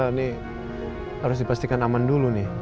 ini harus dipastikan aman dulu nih